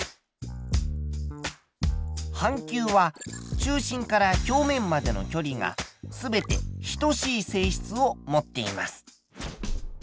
半球は中心から表面までの距離が全て等しい性質を持っています。